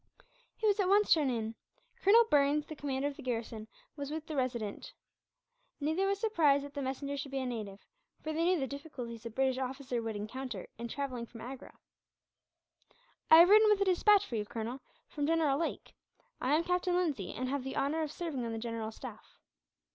He was at once shown in. Colonel Burns, the commander of the garrison, was with the Resident. Neither was surprised that the messenger should be a native, for they knew the difficulties a British officer would encounter in travelling from Agra. "I have ridden with a despatch for you, Colonel, from General Lake. I am Captain Lindsay, and have the honour of serving on the general's staff."